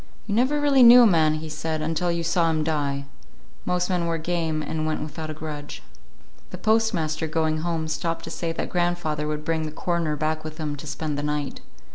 You never really knew a man, he said, until you saw him die. Most men were game, and went without a grudge. The postmaster, going home, stopped to say that grandfather would bring the coroner back with him to spend the night.